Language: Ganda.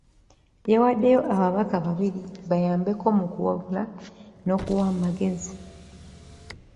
Yawaddeyo ababaka babiri bayambeko mu kuwabula n'okuwa amagezi.